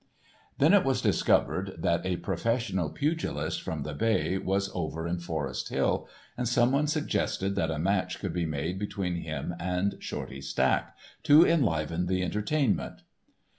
Then it was discovered that a professional pugilist from the "Bay" was over in Forest Hill, and someone suggested that a match could be made between him and Shorty Stack "to enliven the entertainment."